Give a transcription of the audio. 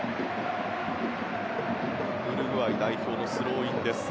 ウルグアイ代表のスローイン。